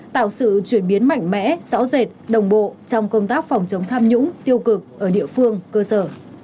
tạo sự chuyển biến mạnh mẽ rõ rệt đồng bộ trong công tác phòng chống tham nhũng tiêu cực ở địa phương cơ sở